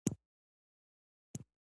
ایا ستاسو کاسه به ډکه نه وي؟